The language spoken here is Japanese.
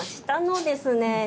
下のですね